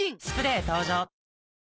スプレー登場！